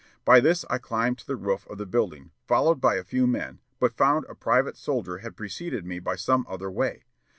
By this I climbed to the roof of the building, followed by a few men, but found a private soldier had preceded me by some other way.